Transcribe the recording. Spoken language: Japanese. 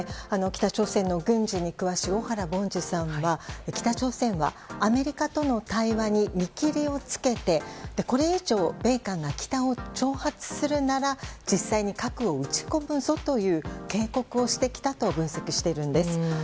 北朝鮮の軍事に詳しい小原凡司さんは北朝鮮は、アメリカとの対話に見切りをつけてこれ以上米韓が北を挑発するなら実際に核を撃ち込むぞという警告をしてきたと分析しているんです。